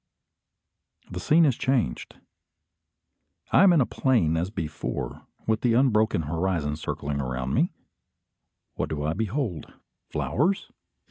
The scene is changed. I am in a plain as before, with the unbroken horizon circling around me. What do I behold? Flowers?